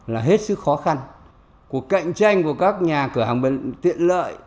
là hết sức khó khăn cuộc cạnh tranh của các nhà cửa hàng tiện lợi